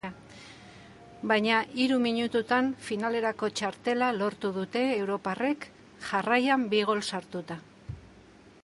Baina hiru minututan finalerako txartela lortu dute europarrek jarraian bi gol sartuta.